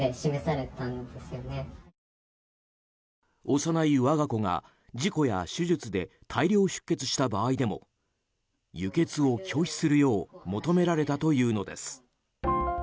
幼い我が子が事故や手術で大量出血した場合でも輸血を拒否するよう求められたというのです。